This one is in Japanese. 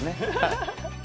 ハハハハ！